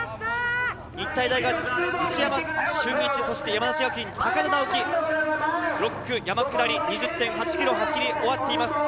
日体大・内山峻一、山梨学院が高田尚暉、６区の山下り２０．８ｋｍを走り終わっています。